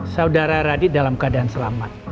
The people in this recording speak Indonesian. saudara radi dalam keadaan selamat